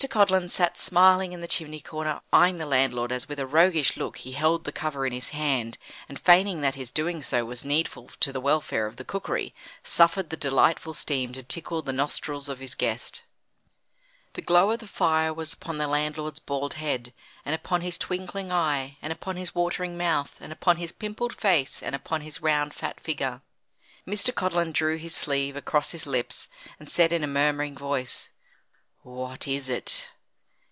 Codlin sat smiling in the chimney corner, eyeing the landlord as with a roguish look he held the cover in his hand, and feigning that his doing so was needful to the welfare of the cookery, suffered the delightful steam to tickle the nostrils of his guest. The glow of the fire was upon the landlord's bald head, and upon his twinkling eye, and upon his watering mouth, and upon his pimpled face, and upon his round fat figure. Mr. Codlin drew his sleeve across his lips, and said in a murmuring voice: "What is it?"